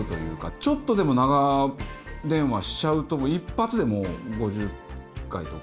ちょっとでも長電話しちゃうと、一発でもう５０回とか。